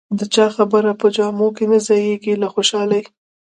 د چا خبره په جامو کې نه ځایېږم له خوشالۍ.